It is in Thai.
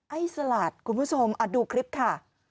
ไอ้สลาดคุณผู้ชมดูคลิปค่ะ